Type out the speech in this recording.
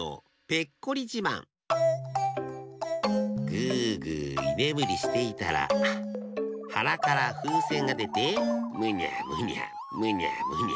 ぐぐいねむりしていたらはなからふうせんがでてむにゃむにゃむにゃむにゃむにゃ。